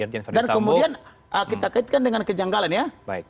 dan kemudian kita kaitkan dengan kejanggalan ya